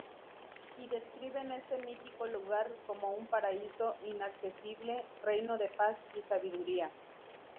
Y describen este mítico lugar como un paraíso inaccesible, reino de paz y sabiduría.